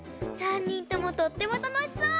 ３にんともとってもたのしそう！